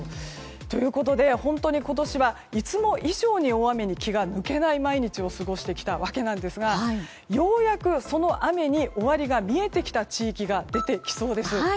ということで今年はいつも以上に大雨に気が抜けない毎日を過ごしてきたわけなんですがようやく、その雨に終わりが見えてきた地域が出てきそうです。